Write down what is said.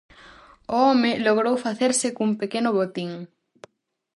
O home logrou facerse cun pequeno botín.